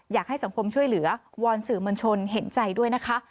อยากให้สังคมช่วยเหลือวอนสื่อมวลชนเห็นใจด้วยนะคะ